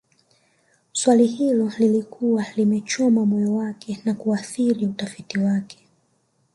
Swali hilo lilikuwa linachoma moyo wake na kuathiri utafiti wake